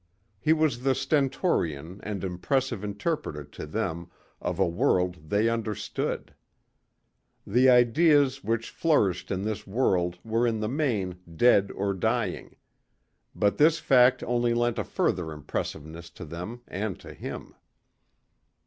He was the stentorian and impressive interpreter to them of a world they understood. The ideas which flourished in this world were in the main dead or dying. But this fact only lent a further impressiveness to them and to him.